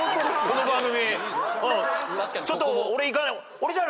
この番組。